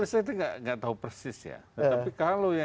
saya itu tidak tahu persis ya